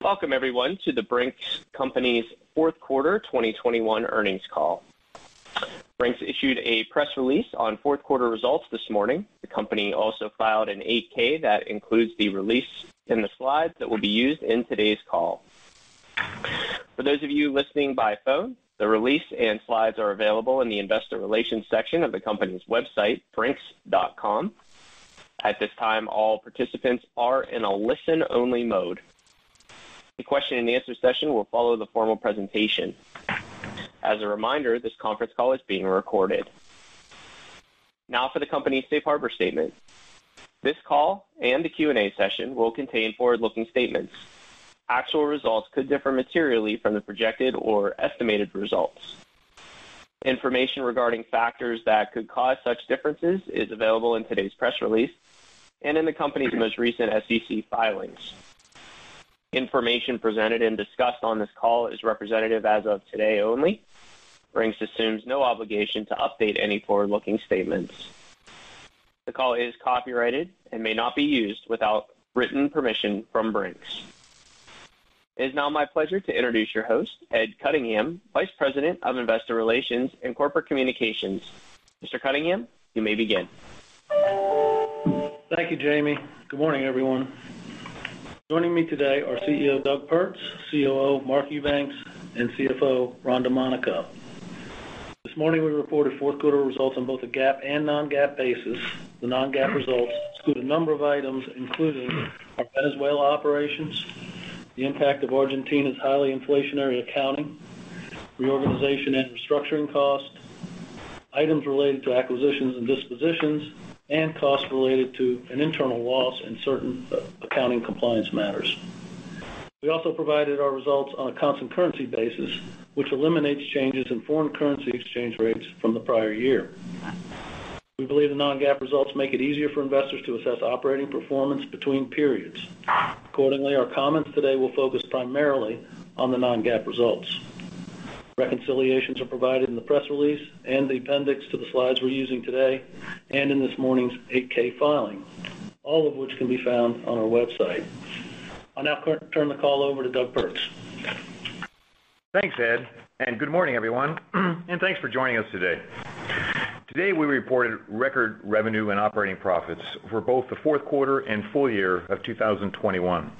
Welcome everyone to The Brink's Company's fourth quarter 2021 earnings call. Brink's issued a press release on fourth quarter results this morning. The company also filed an 8-K that includes the release and the slides that will be used in today's call. For those of you listening by phone, the release and slides are available in the investor relations section of the company's website, brinks.com. At this time, all participants are in a listen only mode. The question-and-answer session will follow the formal presentation. As a reminder, this conference call is being recorded. Now for the company's safe harbor statement. This call and the Q&A session will contain forward-looking statements. Actual results could differ materially from the projected or estimated results. Information regarding factors that could cause such differences is available in today's press release and in the company's most recent SEC filings. Information presented and discussed on this call is representative as of today only. Brink's assumes no obligation to update any forward-looking statements. The call is copyrighted and may not be used without written permission from Brink's. It is now my pleasure to introduce your host, Ed Cunningham, Vice President of Investor Relations and Corporate Communications. Mr. Cunningham, you may begin. Thank you, Jamie. Good morning, everyone. Joining me today are CEO Doug Pertz, COO Mark Eubanks, and CFO Ron Domanico. This morning we reported fourth quarter results on both a GAAP and non-GAAP basis. The non-GAAP results exclude a number of items, including our Venezuela operations, the impact of Argentina's highly inflationary accounting, reorganization and restructuring costs, items related to acquisitions and dispositions, and costs related to an internal loss and certain accounting compliance matters. We also provided our results on a constant currency basis, which eliminates changes in foreign currency exchange rates from the prior year. We believe the non-GAAP results make it easier for investors to assess operating performance between periods. Accordingly, our comments today will focus primarily on the non-GAAP results. Reconciliations are provided in the press release and the appendix to the slides we're using today and in this morning's 8-K filing, all of which can be found on our website. I'll now turn the call over to Doug Pertz. Thanks, Ed, and good morning, everyone, and thanks for joining us today. Today, we reported record revenue and operating profits for both the fourth quarter and full year of 2021.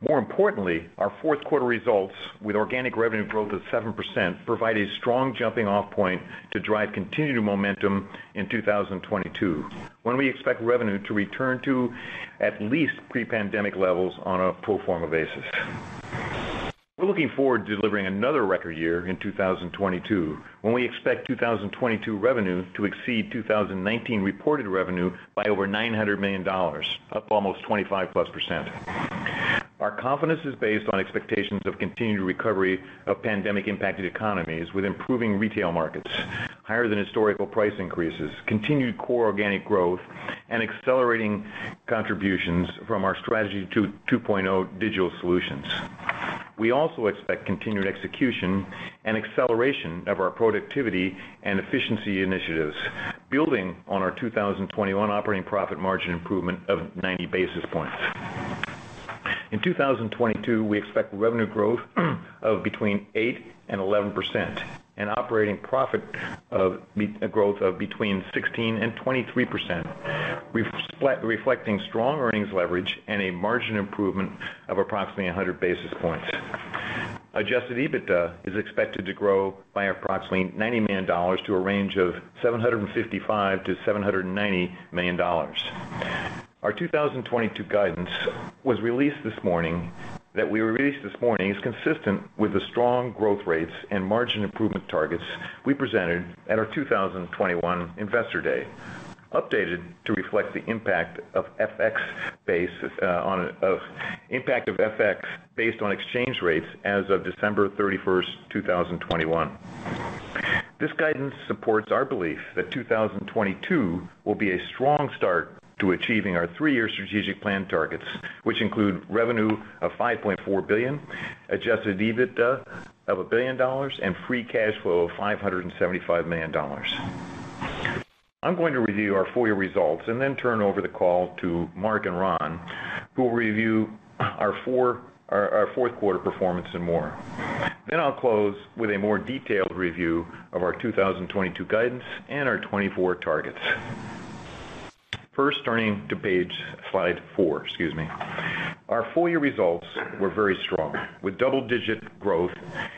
More importantly, our fourth quarter results with organic revenue growth of 7% provide a strong jumping off point to drive continued momentum in 2022, when we expect revenue to return to at least pre-pandemic levels on a pro forma basis. We're looking forward to delivering another record year in 2022, when we expect 2022 revenue to exceed 2019 reported revenue by over $900 million, up almost 25%+. Our confidence is based on expectations of continued recovery of pandemic impacted economies with improving retail markets, higher than historical price increases, continued core organic growth, and accelerating contributions from our Strategy 2.0 digital solutions. We also expect continued execution and acceleration of our productivity and efficiency initiatives, building on our 2021 operating profit margin improvement of 90 basis points. In 2022, we expect revenue growth of between 8% and 11% and operating profit growth of between 16% and 23%, reflecting strong earnings leverage and a margin improvement of approximately 100 basis points. Adjusted EBITDA is expected to grow by approximately $90 million to a range of $755 million-$790 million. Our 2022 guidance that we released this morning is consistent with the strong growth rates and margin improvement targets we presented at our 2021 Investor Day, updated to reflect the impact of FX based on exchange rates as of December 31, 2021. This guidance supports our belief that 2022 will be a strong start to achieving our three-year strategic plan targets, which include revenue of $5.4 billion, adjusted EBITDA of $1 billion, and free cash flow of $575 million. I'm going to review our full year results and then turn over the call to Mark and Ron, who will review our fourth quarter performance and more. I'll close with a more detailed review of our 2022 guidance and our 2024 targets. First, turning to slide four, excuse me. Our full year results were very strong, with double-digit growth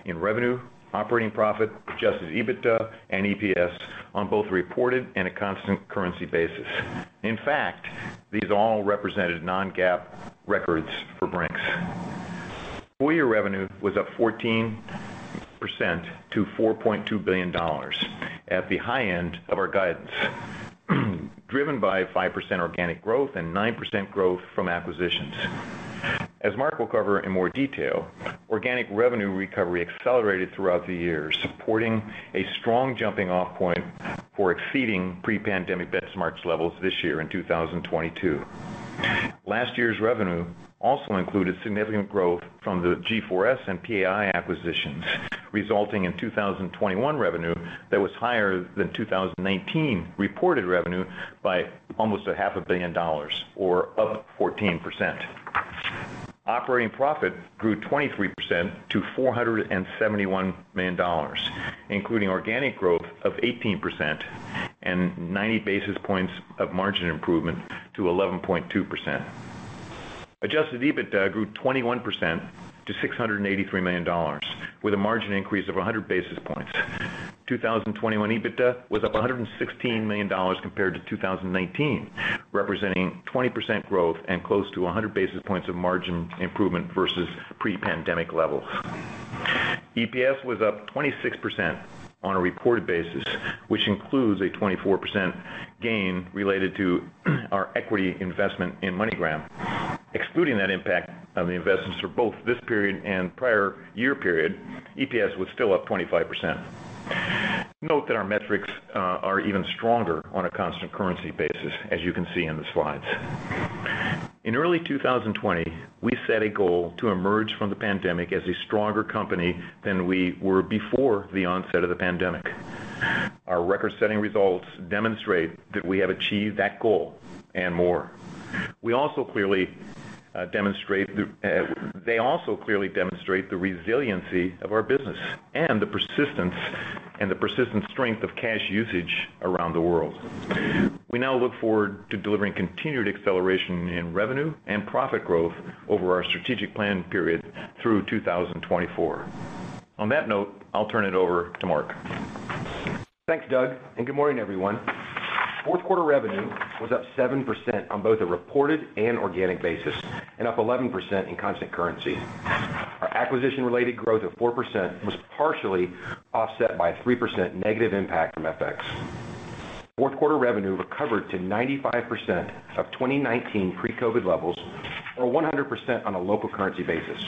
in revenue, operating profit, adjusted EBITDA and EPS on both reported and a constant currency basis. In fact, these all represented non-GAAP records for Brink's. Full year revenue was up 14% to $4.2 billion at the high end of our guidance, driven by 5% organic growth and 9% growth from acquisitions. As Mark will cover in more detail, organic revenue recovery accelerated throughout the year, supporting a strong jumping off point for exceeding pre-pandemic benchmark levels this year in 2022. Last year's revenue also included significant growth from the G4S and PAI acquisitions, resulting in 2021 revenue that was higher than 2019 reported revenue by almost half a billion dollars or up 14%. Operating profit grew 23% to $471 million, including organic growth of 18% and 90 basis points of margin improvement to 11.2%. Adjusted EBITDA grew 21% to $683 million with a margin increase of 100 basis points. 2021 EBITDA was up $116 million compared to 2019, representing 20% growth and close to 100 basis points of margin improvement versus pre-pandemic levels. EPS was up 26% on a reported basis, which includes a 24% gain related to our equity investment in MoneyGram. Excluding that impact of the investments for both this period and prior year period, EPS was still up 25%. Note that our metrics are even stronger on a constant currency basis, as you can see in the slides. In early 2020, we set a goal to emerge from the pandemic as a stronger company than we were before the onset of the pandemic. Our record-setting results demonstrate that we have achieved that goal and more. They also clearly demonstrate the resiliency of our business and the persistent strength of cash usage around the world. We now look forward to delivering continued acceleration in revenue and profit growth over our strategic plan period through 2024. On that note, I'll turn it over to Mark. Thanks, Doug, and good morning, everyone. Fourth quarter revenue was up 7% on both a reported and organic basis, and up 11% in constant currency. Our acquisition-related growth of 4% was partially offset by 3% negative impact from FX. Fourth quarter revenue recovered to 95% of 2019 pre-COVID levels, or 100% on a local currency basis.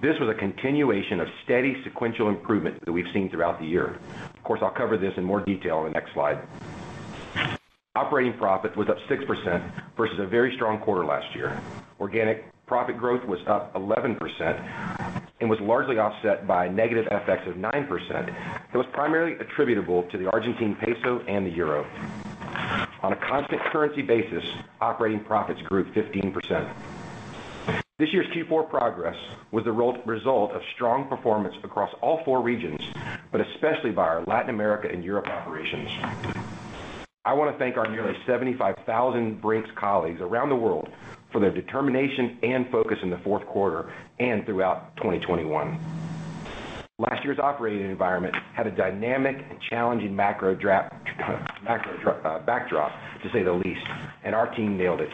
This was a continuation of steady sequential improvement that we've seen throughout the year. Of course, I'll cover this in more detail in the next slide. Operating profit was up 6% versus a very strong quarter last year. Organic profit growth was up 11% and was largely offset by negative FX of 9% that was primarily attributable to the Argentine peso and the euro. On a constant currency basis, operating profits grew 15%. This year's Q4 progress was the roll-up result of strong performance across all four regions, but especially in our Latin America and Europe operations. I want to thank our nearly 75,000 Brink's colleagues around the world for their determination and focus in the fourth quarter and throughout 2021. Last year's operating environment had a dynamic and challenging macro backdrop, to say the least, and our team nailed it.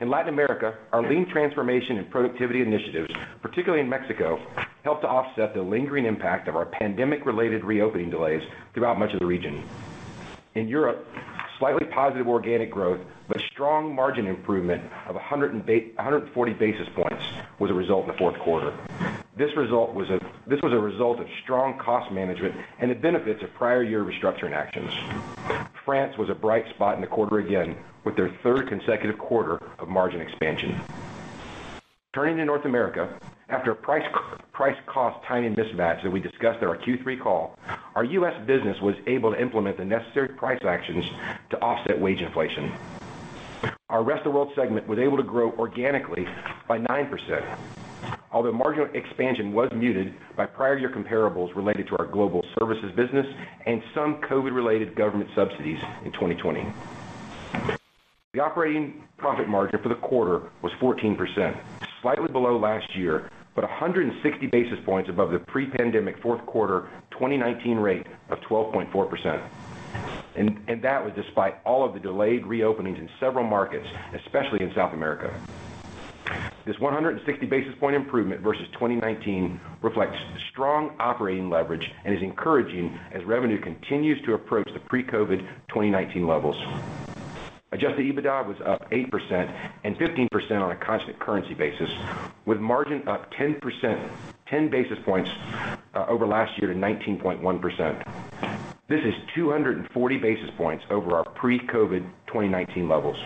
In Latin America, our lean transformation and productivity initiatives, particularly in Mexico, helped to offset the lingering impact of our pandemic-related reopening delays throughout much of the region. In Europe, slightly positive organic growth, but strong margin improvement of 140 basis points was a result in the fourth quarter. This was a result of strong cost management and the benefits of prior-year restructuring actions. France was a bright spot in the quarter again, with their third consecutive quarter of margin expansion. Turning to North America, after a price-cost timing mismatch that we discussed on our Q3 call, our U.S. business was able to implement the necessary price actions to offset wage inflation. Our Rest of World segment was able to grow organically by 9%, although marginal expansion was muted by prior year comparables related to our global services business and some COVID-related government subsidies in 2020. The operating profit margin for the quarter was 14%, slightly below last year, but 160 basis points above the pre-pandemic fourth quarter 2019 rate of 12.4%. That was despite all of the delayed reopenings in several markets, especially in South America. This 160 basis point improvement versus 2019 reflects strong operating leverage and is encouraging as revenue continues to approach the pre-COVID 2019 levels. Adjusted EBITDA was up 8% and 15% on a constant currency basis, with margin up 10 basis points over last year to 19.1%. This is 240 basis points over our pre-COVID 2019 levels.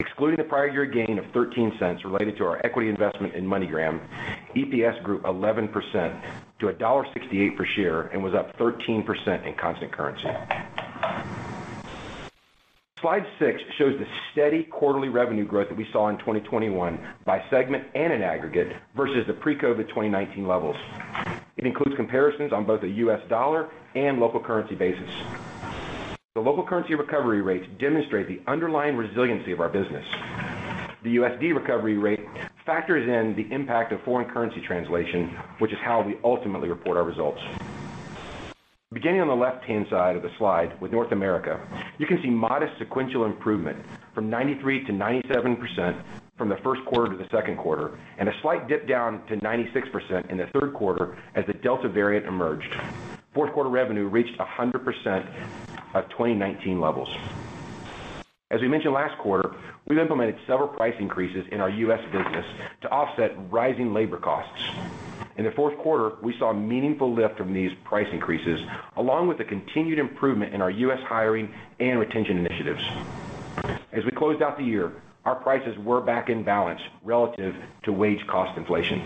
Excluding the prior year gain of $0.13 related to our equity investment in MoneyGram, EPS grew 11% to $1.68 per share and was up 13% in constant currency. Slide 6 shows the steady quarterly revenue growth that we saw in 2021 by segment and in aggregate versus the pre-COVID 2019 levels. It includes comparisons on both the U.S. dollar and local currency basis. The local currency recovery rates demonstrate the underlying resiliency of our business. The USD recovery rate factors in the impact of foreign currency translation, which is how we ultimately report our results. Beginning on the left-hand side of the slide with North America, you can see modest sequential improvement from 93%-97% from the first quarter to the second quarter, and a slight dip down to 96% in the third quarter as the Delta variant emerged. Fourth quarter revenue reached 100% of 2019 levels. As we mentioned last quarter, we've implemented several price increases in our U.S. business to offset rising labor costs. In the fourth quarter, we saw a meaningful lift from these price increases, along with the continued improvement in our U.S. hiring and retention initiatives. As we closed out the year, our prices were back in balance relative to wage cost inflation.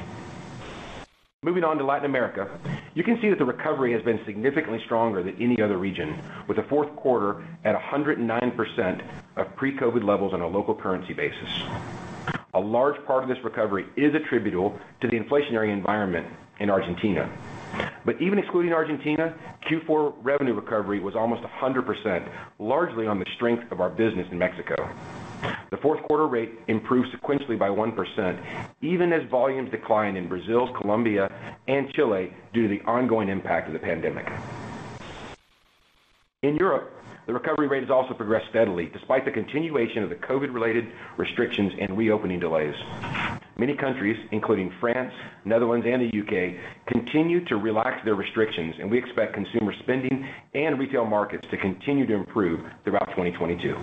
Moving on to Latin America, you can see that the recovery has been significantly stronger than any other region, with the fourth quarter at 109% of pre-COVID levels on a local currency basis. A large part of this recovery is attributable to the inflationary environment in Argentina. Even excluding Argentina, Q4 revenue recovery was almost 100%, largely on the strength of our business in Mexico. The fourth quarter rate improved sequentially by 1%, even as volumes declined in Brazil, Colombia, and Chile due to the ongoing impact of the pandemic. In Europe, the recovery rate has also progressed steadily despite the continuation of the COVID-related restrictions and reopening delays. Many countries, including France, Netherlands, and the U.K., continue to relax their restrictions, and we expect consumer spending and retail markets to continue to improve throughout 2022.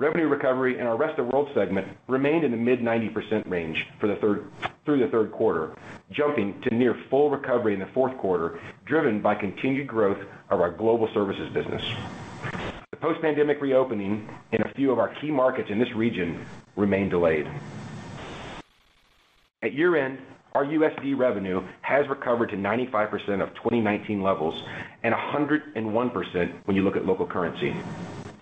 Revenue recovery in our Rest of World segment remained in the mid-90% range through the third quarter, jumping to near full recovery in the fourth quarter, driven by continued growth of our global services business. The post-pandemic reopening in a few of our key markets in this region remain delayed. At year-end, our USD revenue has recovered to 95% of 2019 levels and 101% when you look at local currency.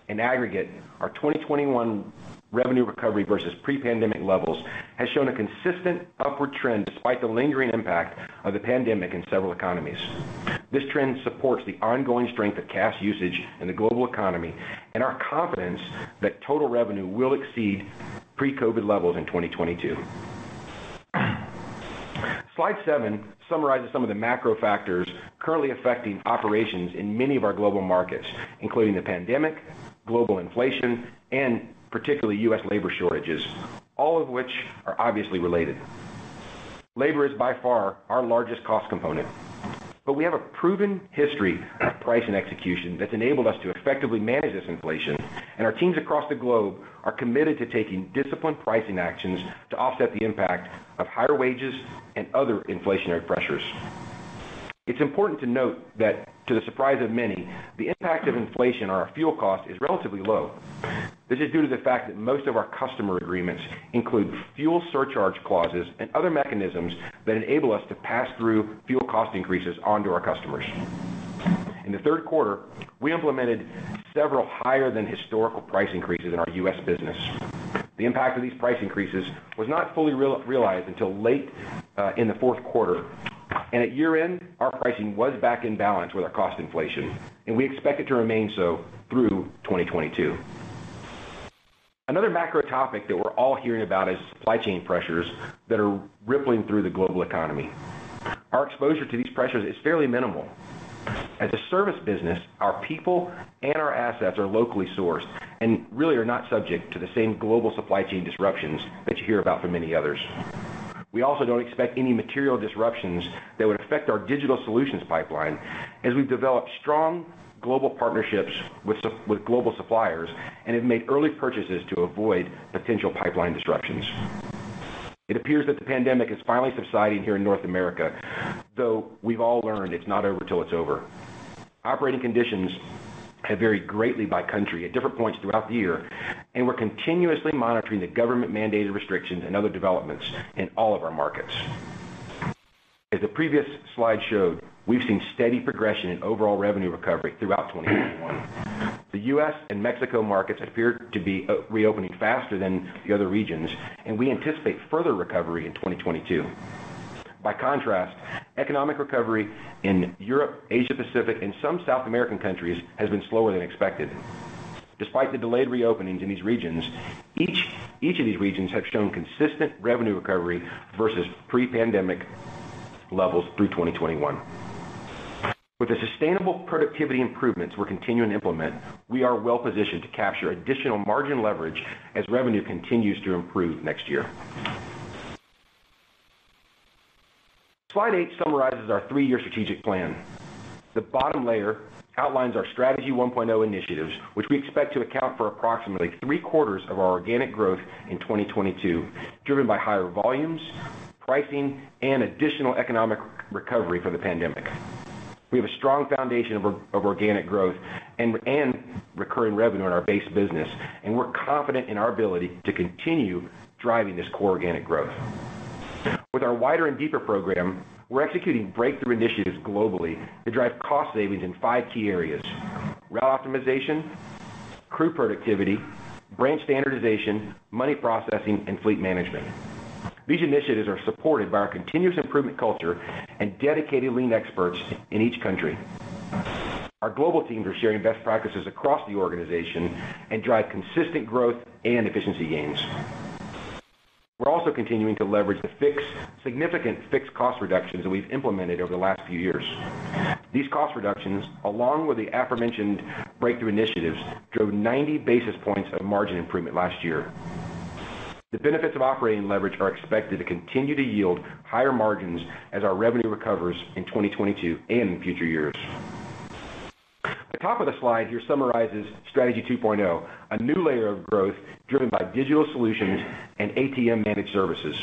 In aggregate, our 2021 revenue recovery versus pre-pandemic levels has shown a consistent upward trend despite the lingering impact of the pandemic in several economies. This trend supports the ongoing strength of cash usage in the global economy and our confidence that total revenue will exceed pre-COVID levels in 2022. Slide 7 summarizes some of the macro factors currently affecting operations in many of our global markets, including the pandemic, global inflation, and particularly U.S. labor shortages, all of which are obviously related. Labor is by far our largest cost component, but we have a proven history of price and execution that's enabled us to effectively manage this inflation, and our teams across the globe are committed to taking disciplined pricing actions to offset the impact of higher wages and other inflationary pressures. It's important to note that, to the surprise of many, the impact of inflation on our fuel cost is relatively low. This is due to the fact that most of our customer agreements include fuel surcharge clauses and other mechanisms that enable us to pass through fuel cost increases onto our customers. In the third quarter, we implemented several higher than historical price increases in our U.S. business. The impact of these price increases was not fully realized until late in the fourth quarter, and at year-end, our pricing was back in balance with our cost inflation, and we expect it to remain so through 2022. Another macro topic that we're all hearing about is supply chain pressures that are rippling through the global economy. Our exposure to these pressures is fairly minimal. As a service business, our people and our assets are locally sourced and really are not subject to the same global supply chain disruptions that you hear about from many others. We also don't expect any material disruptions that would affect our digital solutions pipeline as we've developed strong global partnerships with global suppliers and have made early purchases to avoid potential pipeline disruptions. It appears that the pandemic is finally subsiding here in North America, though we've all learned it's not over till it's over. Operating conditions have varied greatly by country at different points throughout the year, and we're continuously monitoring the government-mandated restrictions and other developments in all of our markets. As the previous slide showed, we've seen steady progression in overall revenue recovery throughout 2021. The U.S. and Mexico markets appear to be reopening faster than the other regions, and we anticipate further recovery in 2022. By contrast, economic recovery in Europe, Asia Pacific, and some South American countries has been slower than expected. Despite the delayed reopenings in these regions, each of these regions have shown consistent revenue recovery versus pre-pandemic levels through 2021. With the sustainable productivity improvements we're continuing to implement, we are well-positioned to capture additional margin leverage as revenue continues to improve next year. Slide 8 summarizes our three-year strategic plan. The bottom layer outlines our Strategy 1.0 initiatives, which we expect to account for approximately three-quarters of our organic growth in 2022, driven by higher volumes, pricing, and additional economic recovery from the pandemic. We have a strong foundation of organic growth and recurring revenue in our base business, and we're confident in our ability to continue driving this core organic growth. With our Wider and Deeper program, we're executing breakthrough initiatives globally to drive cost savings in five key areas, route optimization, crew productivity, branch standardization, money processing, and fleet management. These initiatives are supported by our continuous improvement culture and dedicated lean experts in each country. Our global teams are sharing best practices across the organization and drive consistent growth and efficiency gains. We're also continuing to leverage the significant fixed cost reductions that we've implemented over the last few years. These cost reductions, along with the aforementioned breakthrough initiatives, drove 90 basis points of margin improvement last year. The benefits of operating leverage are expected to continue to yield higher margins as our revenue recovers in 2022 and in future years. The top of the slide here summarizes Strategy 2.0, a new layer of growth driven by digital solutions and ATM managed services.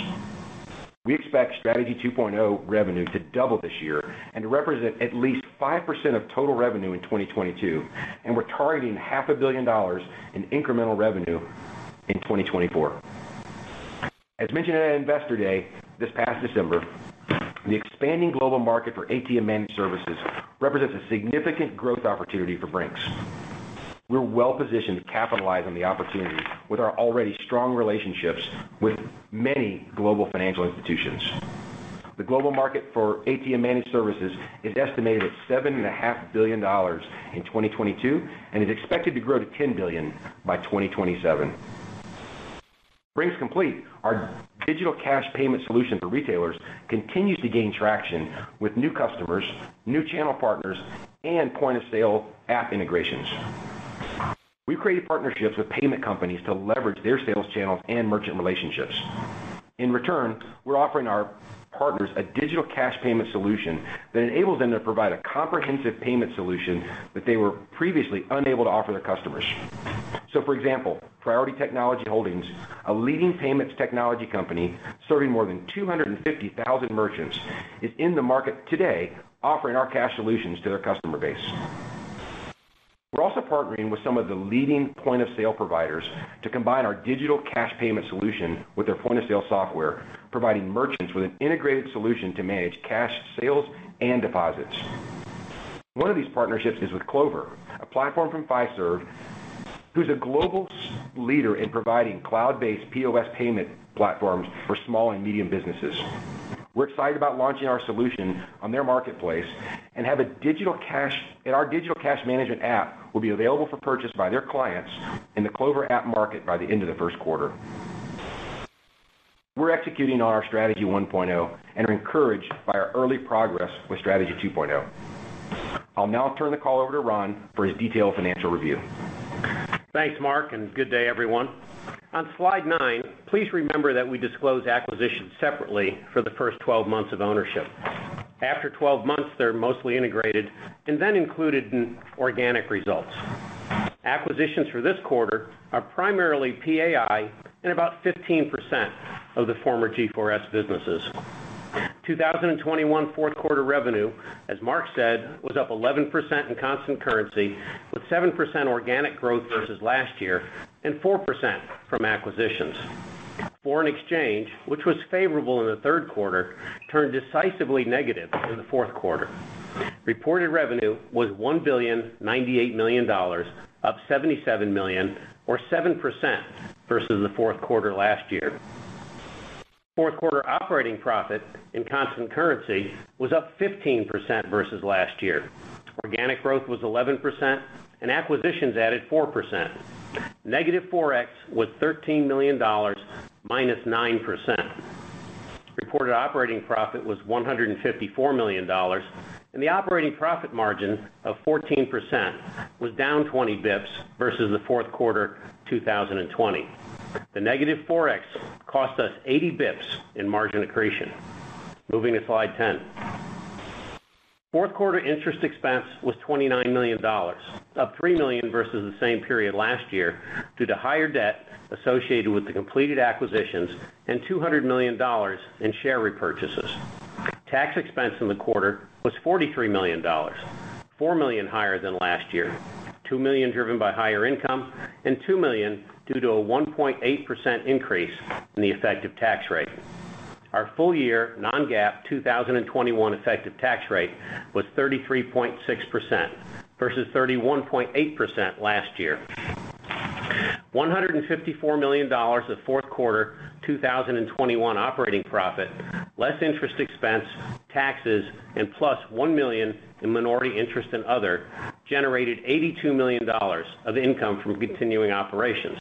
We expect Strategy 2.0 revenue to double this year and to represent at least 5% of total revenue in 2022, and we're targeting half a billion dollars in incremental revenue in 2024. As mentioned at Investor Day this past December, the expanding global market for ATM managed services represents a significant growth opportunity for Brink's. We're well-positioned to capitalize on the opportunity with our already strong relationships with many global financial institutions. The global market for ATM managed services is estimated at $7.5 billion in 2022, and is expected to grow to $10 billion by 2027. Brink's Complete, our digital cash payment solution for retailers, continues to gain traction with new customers, new channel partners, and point-of-sale app integrations. We created partnerships with payment companies to leverage their sales channels and merchant relationships. In return, we're offering our partners a digital cash payment solution that enables them to provide a comprehensive payment solution that they were previously unable to offer their customers. For example, Priority Technology Holdings, a leading payments technology company serving more than 250,000 merchants, is in the market today offering our cash solutions to their customer base. We're also partnering with some of the leading point-of-sale providers to combine our digital cash payment solution with their point-of-sale software, providing merchants with an integrated solution to manage cash sales and deposits. One of these partnerships is with Clover, a platform from Fiserv, who's a global leader in providing cloud-based POS payment platforms for small and medium businesses. We're excited about launching our solution on their marketplace and our digital cash management app will be available for purchase by their clients in the Clover app market by the end of the first quarter. We're executing on our Strategy 1.0 and are encouraged by our early progress with Strategy 2.0. I'll now turn the call over to Ron for his detailed financial review. Thanks, Mark, and good day, everyone. On Slide 9, please remember that we disclose acquisitions separately for the first 12 months of ownership. After 12 months, they're mostly integrated and then included in organic results. Acquisitions for this quarter are primarily PAI and about 15% of the former G4S businesses. 2021 fourth quarter revenue, as Mark said, was up 11% in constant currency, with 7% organic growth versus last year and 4% from acquisitions. Foreign exchange, which was favorable in the third quarter, turned decisively negative in the fourth quarter. Reported revenue was $1,098 million, up $77 million or 7% versus the fourth quarter last year. Fourth quarter operating profit in constant currency was up 15% versus last year. Organic growth was 11% and acquisitions added 4%. Negative ForEx was $13 million, -9%. Reported operating profit was $154 million, and the operating profit margin of 14% was down 20 bps versus the fourth quarter 2020. The negative ForEx cost us 80 bps in margin accretion. Moving to Slide 10. Fourth quarter interest expense was $29 million, up $3 million versus the same period last year due to higher debt associated with the completed acquisitions and $200 million in share repurchases. Tax expense in the quarter was $43 million, $4 million higher than last year, $2 million driven by higher income and $2 million due to a 1.8% increase in the effective tax rate. Our full year non-GAAP 2021 effective tax rate was 33.6% versus 31.8% last year. $154 million of fourth quarter 2021 operating profit, less interest expense, taxes, and plus $1 million in minority interest and other, generated $82 million of income from continuing operations.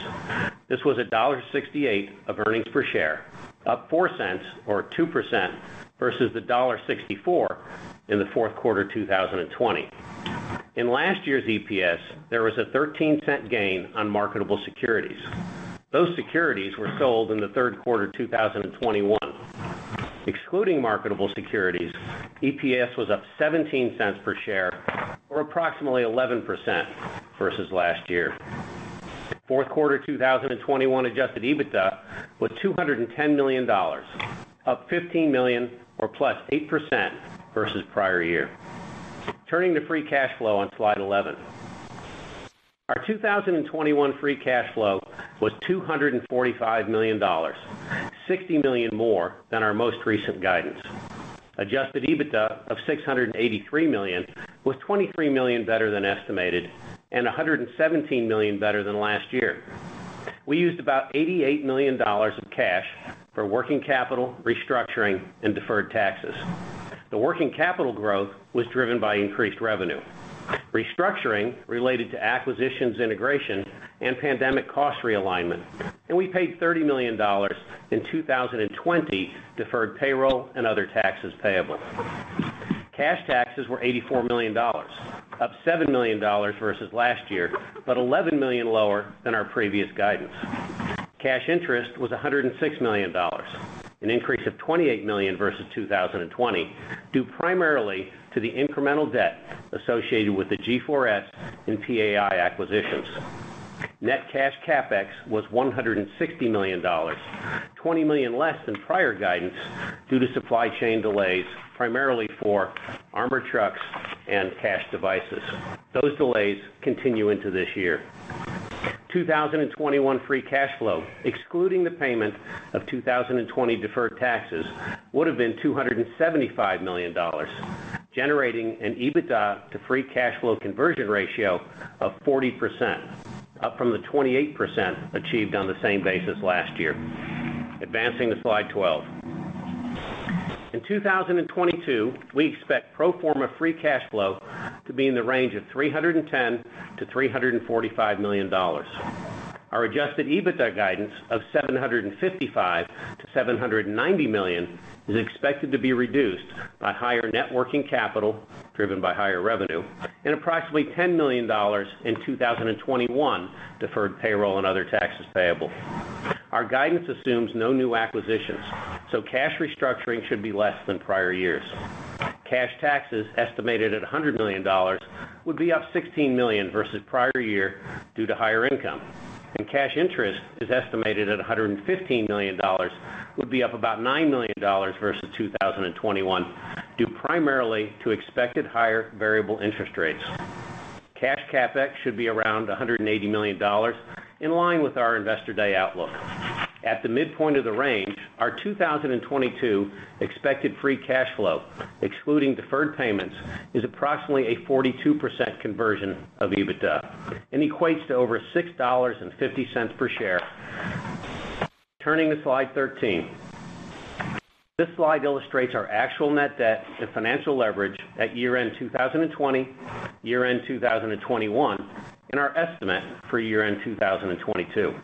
This was $1.68 of earnings per share, up $0.04 or 2% versus the $1.64 in the fourth quarter 2020. In last year's EPS, there was a $0.13 gain on marketable securities. Those securities were sold in the third quarter 2021. Excluding marketable securities, EPS was up $0.17 per share or approximately 11% versus last year. Fourth quarter 2021 adjusted EBITDA was $210 million, up $15 million or +8% versus prior year. Turning to free cash flow on Slide 11. Our 2021 free cash flow was $245 million, $60 million more than our most recent guidance. Adjusted EBITDA of $683 million was $23 million better than estimated, and $117 million better than last year. We used about $88 million of cash for working capital, restructuring, and deferred taxes. The working capital growth was driven by increased revenue. Restructuring related to acquisitions integration and pandemic cost realignment. We paid $30 million in 2020 deferred payroll and other taxes payable. Cash taxes were $84 million, up $7 million versus last year, but $11 million lower than our previous guidance. Cash interest was $106 million, an increase of $28 million versus 2020, due primarily to the incremental debt associated with the G4S and PAI acquisitions. Net cash CapEx was $160 million, $20 million less than prior guidance due to supply chain delays, primarily for armored trucks and cash devices. Those delays continue into this year. 2021 free cash flow, excluding the payment of 2020 deferred taxes, would have been $275 million, generating an EBITDA to free cash flow conversion ratio of 40%, up from the 28% achieved on the same basis last year. Advancing to Slide 12. In 2022, we expect pro forma free cash flow to be in the range of $310 million-$345 million. Our adjusted EBITDA guidance of $755 million-$790 million is expected to be reduced by higher net working capital driven by higher revenue and approximately $10 million in 2021 deferred payroll and other taxes payable. Our guidance assumes no new acquisitions, so cash restructuring should be less than prior years. Cash taxes estimated at $100 million would be up $16 million versus prior year due to higher income. Cash interest is estimated at $115 million, would be up about $9 million versus 2021, due primarily to expected higher variable interest rates. Cash CapEx should be around $180 million, in line with our Investor Day outlook. At the midpoint of the range, our 2022 expected free cash flow, excluding deferred payments, is approximately a 42% conversion of EBITDA and equates to over $6.50 per share. Turning to Slide 13. This slide illustrates our actual net debt to financial leverage at year-end 2020, year-end 2021, and our estimate for year-end 2022.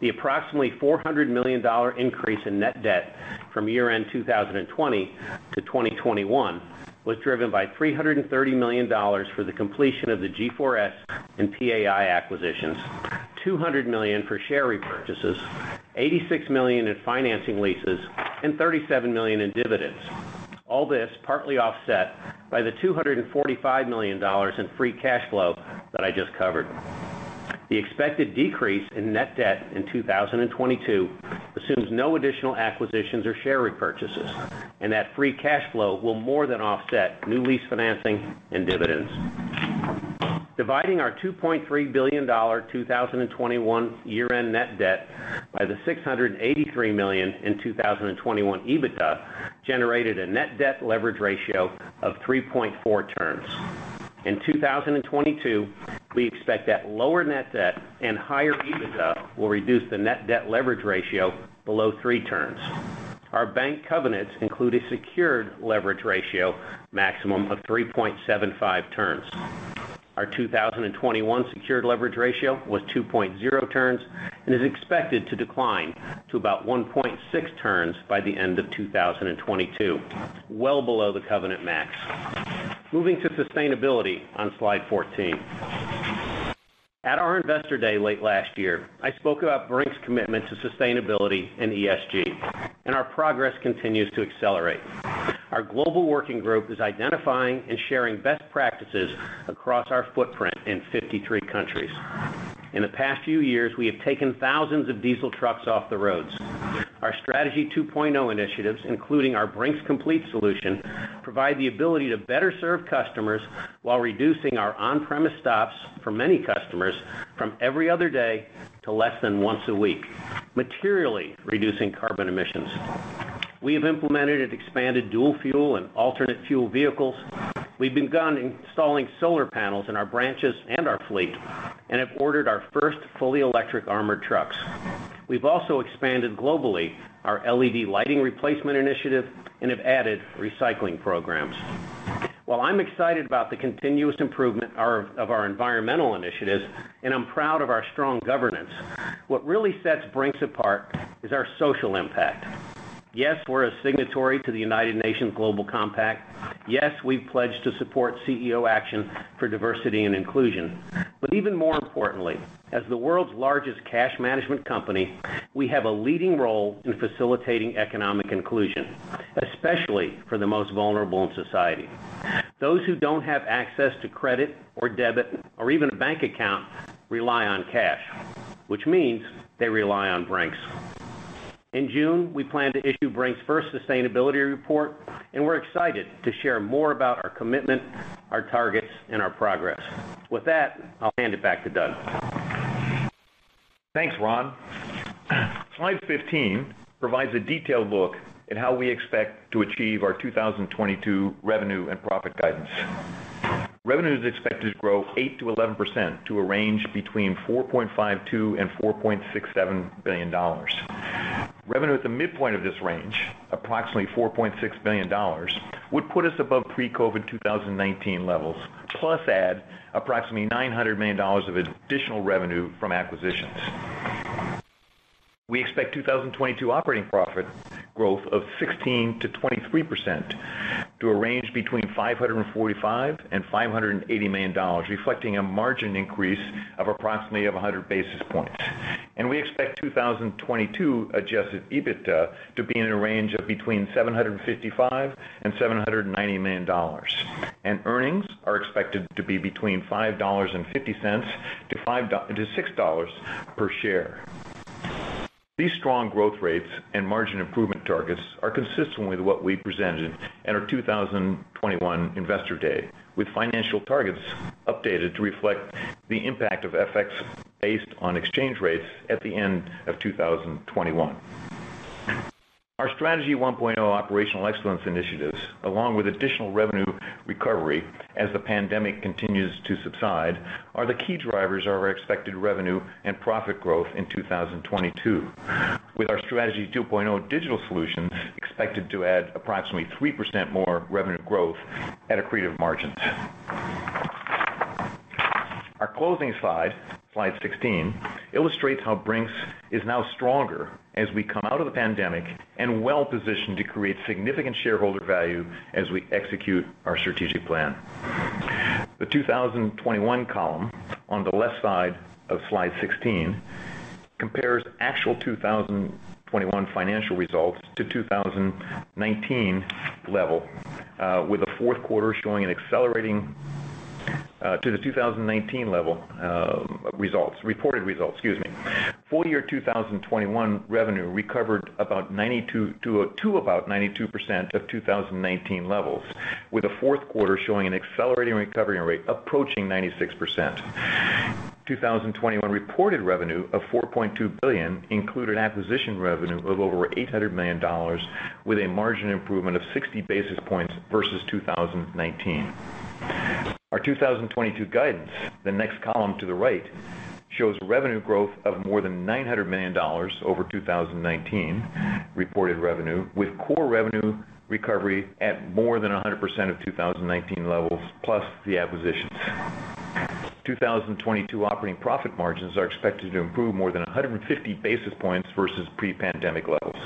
The approximately $400 million increase in net debt from year-end 2020-2021 was driven by $330 million for the completion of the G4S and PAI acquisitions, $200 million for share repurchases, $86 million in financing leases, and $37 million in dividends. All this partly offset by the $245 million in free cash flow that I just covered. The expected decrease in net debt in 2022 assumes no additional acquisitions or share repurchases, and that free cash flow will more than offset new lease financing and dividends. Dividing our $2.3 billion 2021 year-end net debt by the $683 million in 2021 EBITDA generated a net debt leverage ratio of 3.4 turns. In 2022, we expect that lower net debt and higher EBITDA will reduce the net debt leverage ratio below 3 turns. Our bank covenants include a secured leverage ratio maximum of 3.75 turns. Our 2021 secured leverage ratio was 2.0 turns and is expected to decline to about 1.6 turns by the end of 2022, well below the covenant max. Moving to sustainability on Slide 14. At our Investor Day late last year, I spoke about Brink's commitment to sustainability and ESG, and our progress continues to accelerate. Our global working group is identifying and sharing best practices across our footprint in 53 countries. In the past few years, we have taken thousands of diesel trucks off the roads. Our Strategy 2.0 initiatives, including our Brink's Complete Solution, provide the ability to better serve customers while reducing our on-premise stops for many customers from every other day to less than once a week, materially reducing carbon emissions. We have implemented and expanded dual fuel and alternate fuel vehicles. We've begun installing solar panels in our branches and our fleet and have ordered our first fully electric armored trucks. We've also expanded globally our LED lighting replacement initiative and have added recycling programs. While I'm excited about the continuous improvement of our environmental initiatives, and I'm proud of our strong governance, what really sets Brink's apart is our social impact. Yes, we're a signatory to the United Nations Global Compact. Yes, we've pledged to support CEO Action for Diversity & Inclusion. Even more importantly, as the world's largest cash management company, we have a leading role in facilitating economic inclusion, especially for the most vulnerable in society. Those who don't have access to credit or debit or even a bank account rely on cash, which means they rely on Brink's. In June, we plan to issue Brink's first sustainability report, and we're excited to share more about our commitment, our targets, and our progress. With that, I'll hand it back to Doug. Thanks, Ron. Slide 15 provides a detailed look at how we expect to achieve our 2022 revenue and profit guidance. Revenue is expected to grow 8%-11% to a range between $4.52 billion and $4.67 billion. Revenue at the midpoint of this range, approximately $4.6 billion, would put us above pre-COVID 2019 levels, plus add approximately $900 million of additional revenue from acquisitions. We expect 2022 operating profit growth of 16%-23% to a range between $545 million and $580 million, reflecting a margin increase of approximately 100 basis points. We expect 2022 adjusted EBITDA to be in a range of between $755 million and $790 million. Earnings are expected to be between $5.50-$6 per share. These strong growth rates and margin improvement targets are consistent with what we presented at our 2021 Investor Day, with financial targets updated to reflect the impact of FX based on exchange rates at the end of 2021. Our Strategy 1.0 operational excellence initiatives, along with additional revenue recovery as the pandemic continues to subside, are the key drivers of our expected revenue and profit growth in 2022, with our Strategy 2.0 digital solution expected to add approximately 3% more revenue growth at accretive margins. Our closing Slide 16, illustrates how Brink's is now stronger as we come out of the pandemic and well-positioned to create significant shareholder value as we execute our strategic plan. The 2021 column on the left side of Slide 16 compares actual 2021 financial results to 2019 levels, with the fourth quarter showing an accelerating recovery to the 2019 levels. Full year 2021 revenue recovered about 92% of 2019 levels, with the fourth quarter showing an accelerating recovery rate approaching 96%. 2021 reported revenue of $4.2 billion included acquisition revenue of over $800 million with a margin improvement of 60 basis points versus 2019. Our 2022 guidance, the next column to the right, shows revenue growth of more than $900 million over 2019 reported revenue, with core revenue recovery at more than 100% of 2019 levels, plus the acquisitions. 2022 operating profit margins are expected to improve more than 150 basis points versus pre-pandemic levels.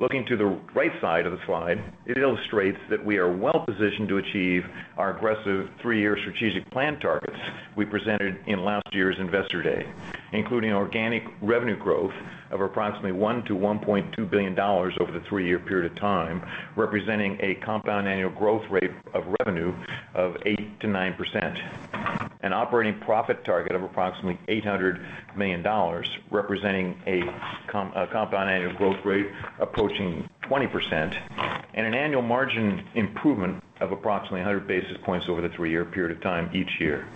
Looking to the right side of the slide, it illustrates that we are well positioned to achieve our aggressive 3-year strategic plan targets we presented in last year's Investor Day, including organic revenue growth of approximately $1 billion-$1.2 billion over the 3-year period of time, representing a compound annual growth rate of revenue of 8%-9%. An operating profit target of approximately $800 million, representing a compound annual growth rate approaching 20%, and an annual margin improvement of approximately 100 basis points over the three-year period of time each year.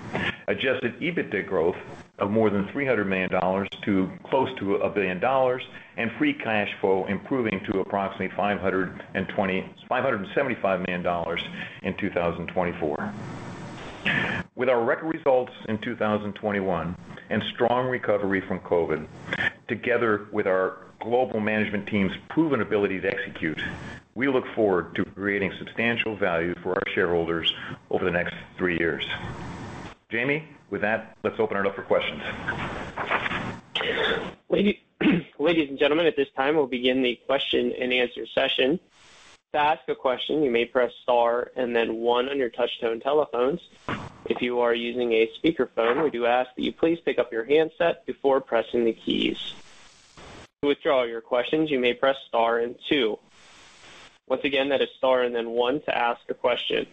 Adjusted EBITDA growth of more than $300 million to close to $1 billion, and free cash flow improving to approximately $575 million in 2024. With our record results in 2021 and strong recovery from COVID, together with our global management team's proven ability to execute, we look forward to creating substantial value for our shareholders over the next three years. Jamie, with that, let's open it up for questions. Ladies and gentlemen, at this time, we'll begin the question-and-answer session. To ask a question, you may press star and then one on your touch-tone telephones. If you are using a speakerphone, we do ask that you please pick up your handset before pressing the keys. To withdraw your questions, you may press star and two. Once again, that is star and then one to ask a question.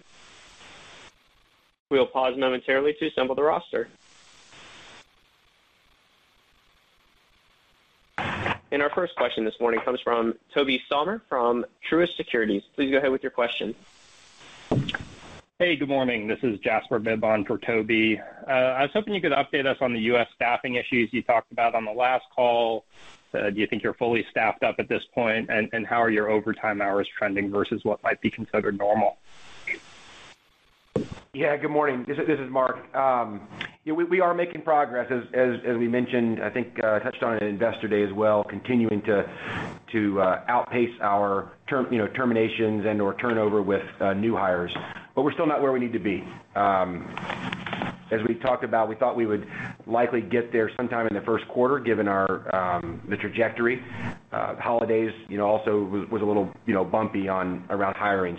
We'll pause momentarily to assemble the roster. Our first question this morning comes from Tobey Sommer from Truist Securities. Please go ahead with your question. Hey, good morning. This is Jasper Bibb for Tobey. I was hoping you could update us on the U.S. staffing issues you talked about on the last call. Do you think you're fully staffed up at this point? How are your overtime hours trending versus what might be considered normal? Good morning. This is Mark. We are making progress. As we mentioned, I think touched on it at Investor Day as well, continuing to outpace our terminations and/or turnover with new hires. But we're still not where we need to be. As we talked about, we thought we would likely get there sometime in the first quarter given the trajectory. Holidays, you know, also was a little, you know, bumpy around hiring.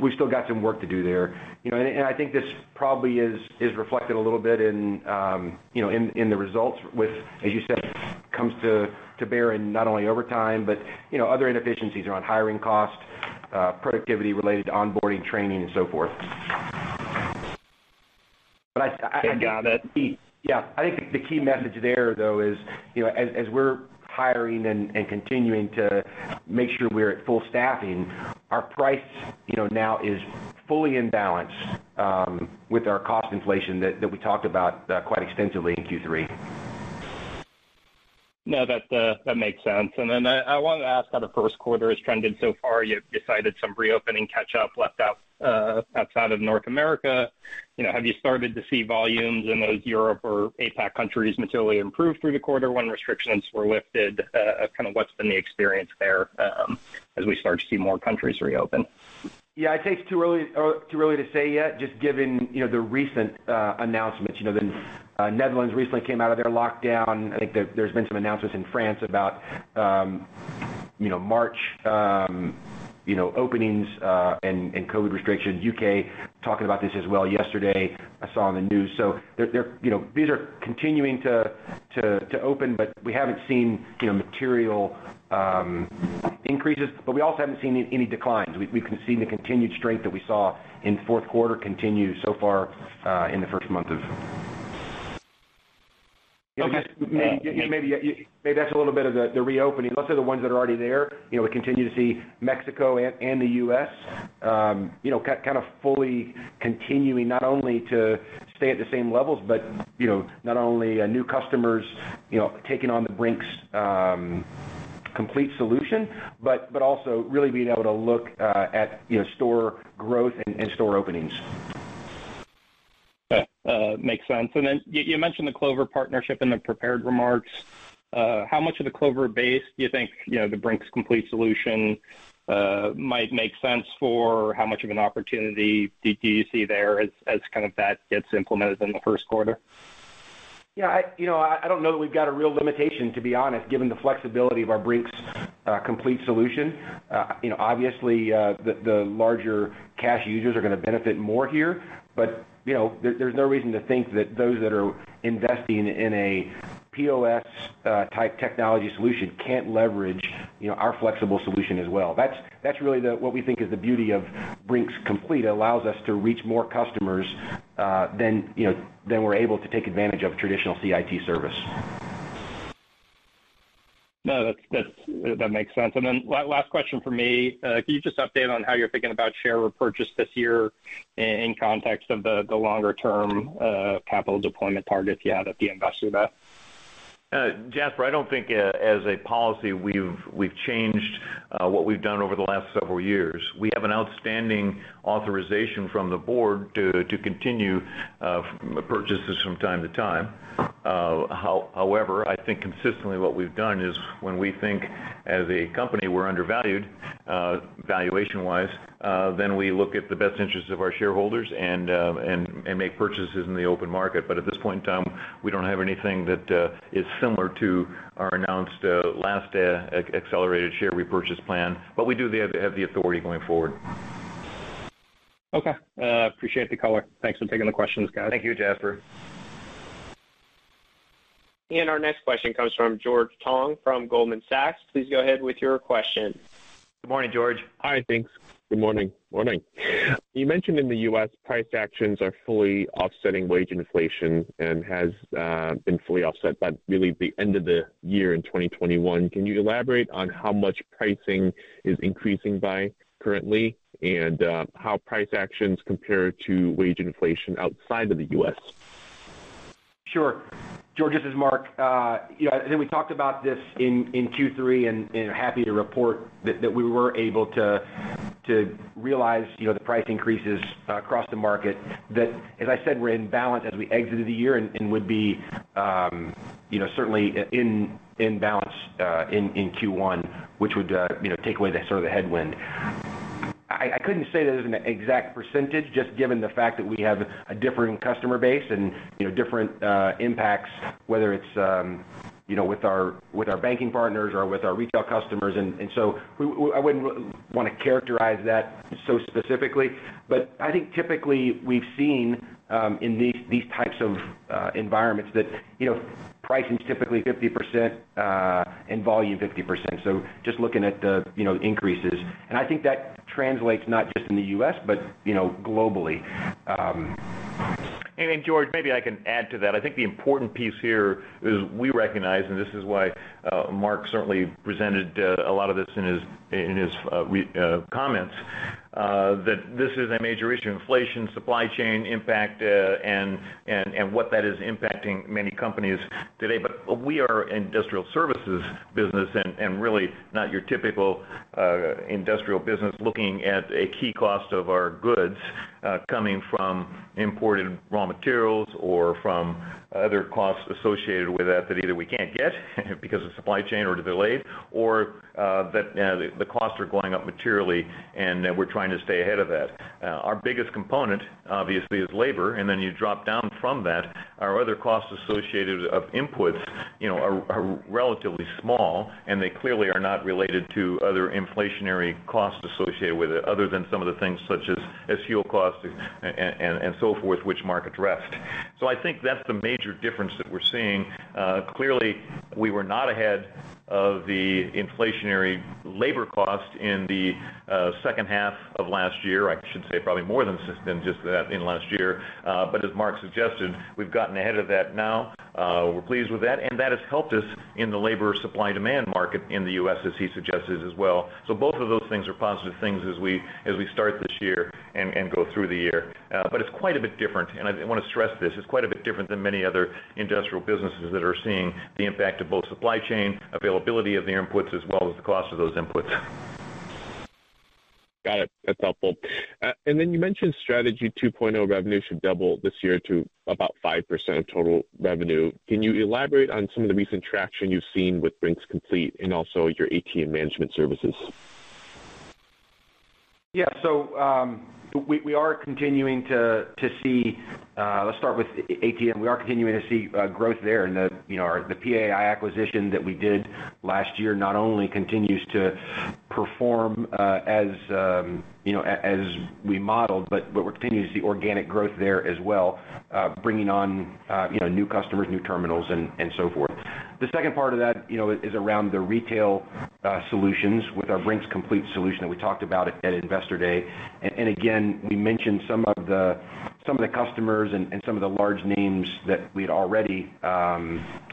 We've still got some work to do there. You know, I think this probably is reflected a little bit in you know, in the results with, as you said, comes to bear in not only overtime but you know, other inefficiencies around hiring costs, productivity related to onboarding, training, and so forth, but I And, uh- Yeah. I think the key message there though is, you know, as we're hiring and continuing to make sure we're at full staffing, our price, you know, now is fully in balance with our cost inflation that we talked about quite extensively in Q3. No, that makes sense. I wanted to ask how the first quarter has trended so far. You've cited some reopening catch-up left out outside of North America. You know, have you started to see volumes in those Europe or APAC countries materially improve through the quarter when restrictions were lifted? Kind of what's been the experience there as we start to see more countries reopen? Yeah. I think it's too early to say yet, just given, you know, the recent announcements. You know, the Netherlands recently came out of their lockdown. I think there's been some announcements in France about, you know, March, you know, openings, and COVID restrictions. U.K. talking about this as well yesterday, I saw on the news. There you know, these are continuing to open, but we haven't seen, you know, material increases, but we also haven't seen any declines. We can see the continued strength that we saw in the fourth quarter continue so far, in the first month of Okay. Maybe that's a little bit of the reopening. Those are the ones that are already there. You know, we continue to see Mexico and the U.S., you know, kind of fully continuing not only to stay at the same levels but, you know, not only new customers, you know, taking on the Brink's Complete solution, but also really being able to look at, you know, store growth and store openings. Makes sense. Then you mentioned the Clover partnership in the prepared remarks. How much of the Clover base do you think, you know, the Brink's Complete solution might make sense for? How much of an opportunity do you see there as that gets implemented in the first quarter? Yeah, you know, I don't know that we've got a real limitation, to be honest, given the flexibility of our Brink's Complete solution. You know, obviously, the larger cash users are gonna benefit more here. You know, there's no reason to think that those that are investing in a POS type technology solution can't leverage our flexible solution as well. That's really what we think is the beauty of Brink's Complete. It allows us to reach more customers than we were able to take advantage of traditional CIT service. No, that makes sense. Last question from me. Can you just update on how you're thinking about share repurchase this year in context of the longer term capital deployment targets you had at the Investor Day? Jasper, I don't think as a policy, we've changed what we've done over the last several years. We have an outstanding authorization from the board to continue purchases from time to time. However, I think consistently what we've done is when we think as a company we're undervalued valuation-wise, then we look at the best interest of our shareholders and make purchases in the open market. At this point in time, we don't have anything that is similar to our announced last accelerated share repurchase plan. We do have the authority going forward. Okay. Appreciate the color. Thanks for taking the questions, guys. Thank you, Jasper. Our next question comes from George Tong from Goldman Sachs. Please go ahead with your question. Good morning, George. Hi. Thanks. Good morning. Morning. You mentioned in the U.S. price actions are fully offsetting wage inflation and has been fully offset by really the end of the year in 2021. Can you elaborate on how much pricing is increasing by currently and how price actions compare to wage inflation outside of the U.S.? Sure. George, this is Mark. You know, I think we talked about this in Q3, and happy to report that we were able to realize, you know, the price increases across the market. That, as I said, we're in balance as we exited the year and would be, you know, certainly in balance in Q1, which would, you know, take away the sort of the headwind. I couldn't say that as an exact percentage, just given the fact that we have a differing customer base and, you know, different impacts, whether it's, you know, with our banking partners or with our retail customers. So we—I wouldn't want to characterize that so specifically. I think typically, we've seen in these types of environments that, you know, pricing is typically 50%, and volume 50%. Just looking at the, you know, increases. I think that translates not just in the U.S., but, you know, globally. Then George, maybe I can add to that. I think the important piece here is we recognize, and this is why Mark certainly presented a lot of this in his comments, that this is a major issue, inflation, supply chain impact, and what that is impacting many companies today. We are industrial services business and really not your typical industrial business looking at a key cost of our goods coming from imported raw materials or from other costs associated with that either we can't get because of supply chain or they're delayed, or the costs are going up materially and that we're trying to stay ahead of that. Our biggest component, obviously, is labor, and then you drop down from that. Our other costs associated with inputs, you know, are relatively small, and they clearly are not related to other inflationary costs associated with it other than some of the things such as fuel costs and so forth, which Mark addressed. I think that's the major difference that we're seeing. Clearly, we were not ahead of the inflationary labor cost in the second half of last year. I should say probably more than just that in last year. As Mark suggested, we've gotten ahead of that now. We're pleased with that, and that has helped us in the labor supply-demand market in the U.S., as he suggested as well. Both of those things are positive things as we start this year and go through the year. It's quite a bit different, and I wanna stress this. It's quite a bit different than many other industrial businesses that are seeing the impact of both supply chain, availability of the inputs, as well as the cost of those inputs. Got it. That's helpful. You mentioned Strategy 2.0 revenue should double this year to about 5% of total revenue. Can you elaborate on some of the recent traction you've seen with Brink's Complete and also your ATM management services? Let's start with ATM. We are continuing to see growth there. The PAI acquisition that we did last year not only continues to perform as we modeled, but we're continuing to see organic growth there as well, bringing on you know new customers, new terminals and so forth. The second part of that you know is around the retail solutions with our Brink's Complete solution that we talked about at Investor Day. Again, we mentioned some of the customers and some of the large names that we'd already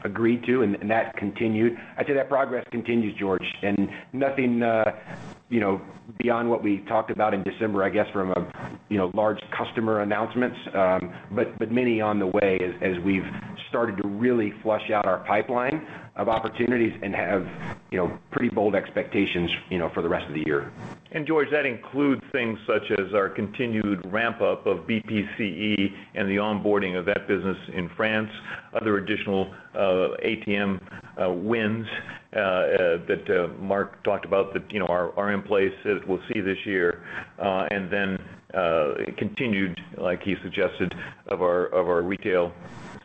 agreed to, and that continued. I'd say that progress continues, George, and nothing, you know, beyond what we talked about in December, I guess, from a, you know, large customer announcements, but many on the way as we've started to really flush out our pipeline of opportunities and have, you know, pretty bold expectations, you know, for the rest of the year. George, that includes things such as our continued ramp-up of BPCE and the onboarding of that business in France, other additional ATM wins that Mark talked about that, you know, are in place that we'll see this year. Then continued, like he suggested, of our retail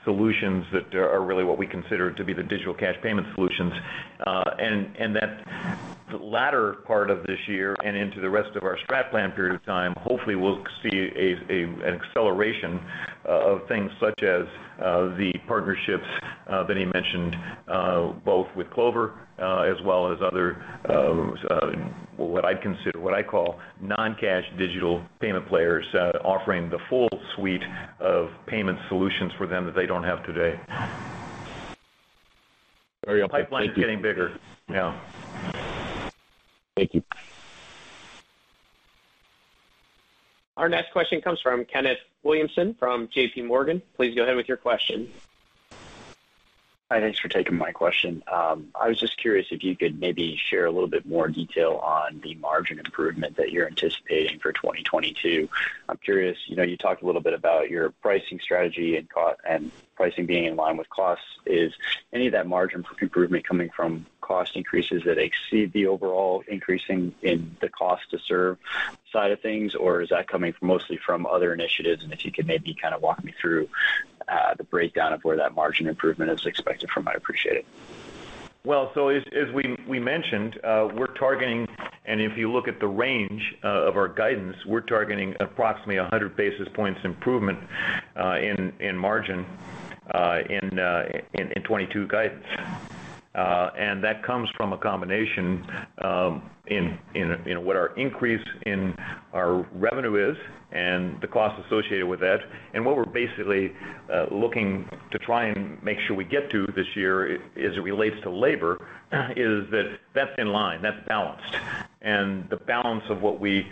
solutions that are really what we consider to be the digital cash payment solutions. That latter part of this year and into the rest of our strat plan period of time, hopefully we'll see an acceleration of things such as the partnerships that he mentioned, both with Clover as well as other what I'd consider, what I call non-cash digital payment players, offering the full suite of payment solutions for them that they don't have today. Very- Pipeline is getting bigger. Yeah. Thank you. Our next question comes from Kenneth Williamson from JPMorgan. Please go ahead with your question. Hi, thanks for taking my question. I was just curious if you could maybe share a little bit more detail on the margin improvement that you're anticipating for 2022. I'm curious, you know, you talked a little bit about your pricing strategy and cost and pricing being in line with costs. Is any of that margin improvement coming from cost increases that exceed the overall increase in the cost to serve side of things, or is that coming from mostly other initiatives? If you could maybe kind of walk me through the breakdown of where that margin improvement is expected from, I'd appreciate it. Well, as we mentioned, we're targeting, and if you look at the range of our guidance, we're targeting approximately 100 basis points improvement in margin in 2022 guidance. That comes from a combination of our increase in our revenue and the cost associated with that. What we're basically looking to try and make sure we get to this year as it relates to labor is that that's in line, that's balanced. The balance of what we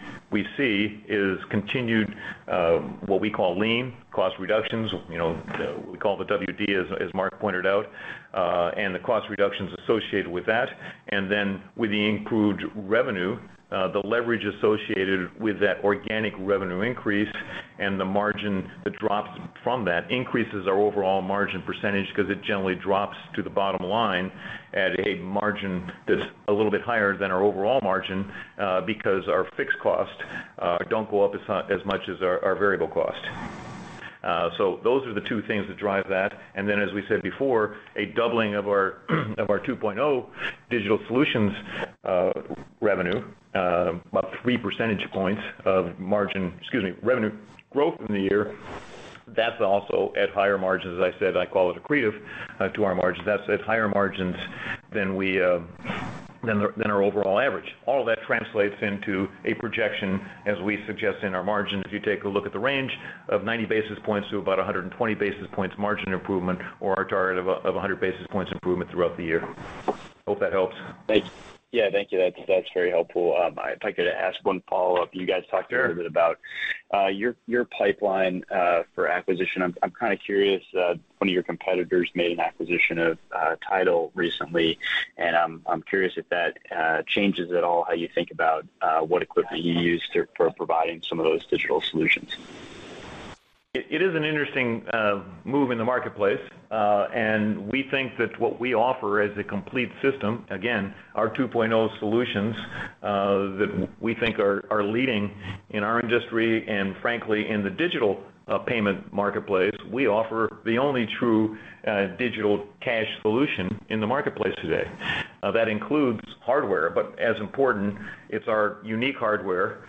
see is continued what we call lean cost reductions, you know, we call the W&D, as Mark pointed out, and the cost reductions associated with that. With the improved revenue, the leverage associated with that organic revenue increase and the margin that drops from that increases our overall margin percentage because it generally drops to the bottom line at a margin that's a little bit higher than our overall margin, because our fixed costs don't go up as much as our variable costs. So those are the two things that drive that. Then, as we said before, a doubling of our 2.0 digital solutions revenue, about three percentage points of revenue growth in the year. That's also at higher margins, as I said, I call it accretive to our margins. That's at higher margins than our overall average. All of that translates into a projection, as we suggest in our margins, if you take a look at the range of 90 basis points to about 120 basis points margin improvement or our target of 100 basis points improvement throughout the year. Hope that helps. Thanks. Yeah, thank you. That's very helpful. I'd like to ask one follow-up. You guys talked a little bit about your pipeline for acquisition. I'm kind of curious, one of your competitors made an acquisition of Tidel recently, and I'm curious if that changes at all how you think about what equipment you use for providing some of those digital solutions. It is an interesting move in the marketplace, and we think that what we offer as a complete system, again, our 2.0 solutions, that we think are leading in our industry and frankly, in the digital payment marketplace. We offer the only true digital cash solution in the marketplace today. That includes hardware, but as important, it's our unique hardware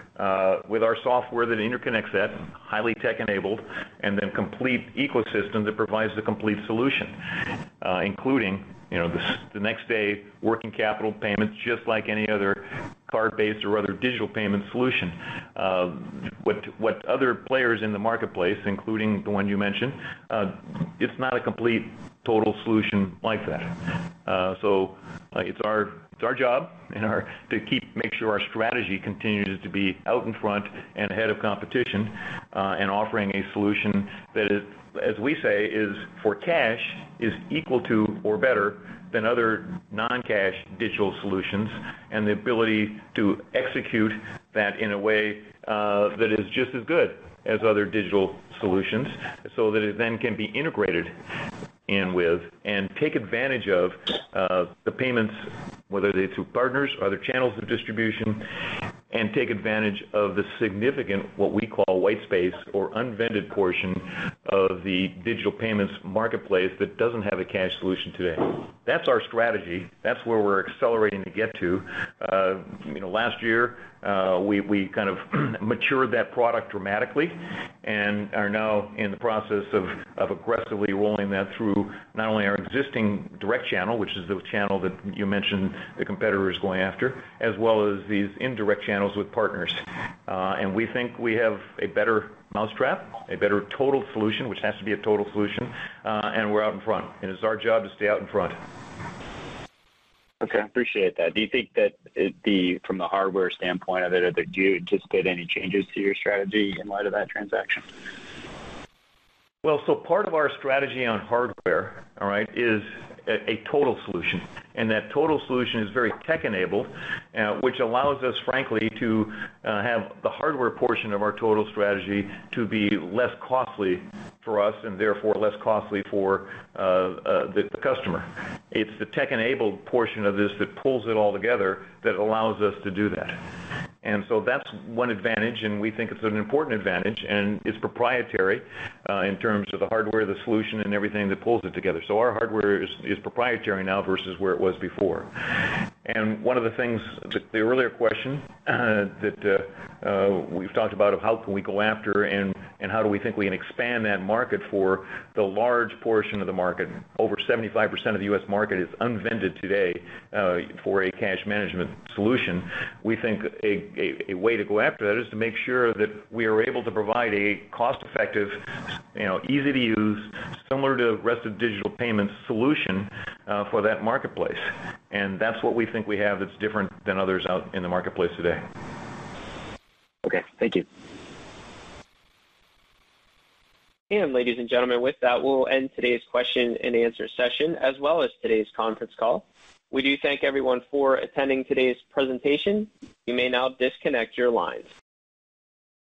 with our software that interconnects that, highly tech enabled, and then complete ecosystem that provides the complete solution, including, you know, the next day working capital payments, just like any other card-based or other digital payment solution. What other players in the marketplace, including the one you mentioned, it's not a complete total solution like that. It's our job and our to keep making sure our strategy continues to be out in front and ahead of competition, and offering a solution that is, as we say, is for cash, is equal to or better than other non-cash digital solutions, and the ability to execute that in a way, that is just as good as other digital solutions, so that it then can be integrated in with and take advantage of, the payments, whether it's through partners or other channels of distribution, and take advantage of the significant, what we call white space or unvended portion of the digital payments marketplace that doesn't have a cash solution today. That's our strategy. That's where we're accelerating to get to. You know, last year we kind of matured that product dramatically and are now in the process of aggressively rolling that through not only our existing direct channel, which is the channel that you mentioned the competitor is going after, as well as these indirect channels with partners. We think we have a better mousetrap, a better total solution, which has to be a total solution, and we're out in front. It's our job to stay out in front. Okay, I appreciate that. Do you think that it'd be from the hardware standpoint of it? Do you anticipate any changes to your strategy in light of that transaction? Well, part of our strategy on hardware, all right, is a total solution. That total solution is very tech enabled, which allows us, frankly, to have the hardware portion of our total strategy to be less costly for us and therefore less costly for the customer. It's the tech-enabled portion of this that pulls it all together that allows us to do that. That's one advantage, and we think it's an important advantage, and it's proprietary in terms of the hardware, the solution, and everything that pulls it together. Our hardware is proprietary now versus where it was before. One of the things the earlier question that we've talked about how we can go after and how do we think we can expand that market for the large portion of the market. Over 75% of the U.S. market is unvended today for a cash management solution. We think a way to go after that is to make sure that we are able to provide a cost-effective, you know, easy-to-use, similar to the rest of digital payments solution for that marketplace. That's what we think we have that's different than others out in the marketplace today. Okay. Thank you. Ladies and gentlemen, with that, we'll end today's question and answer session, as well as today's conference call. We do thank everyone for attending today's presentation. You may now disconnect your lines.